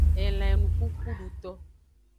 Elan enukukuduto.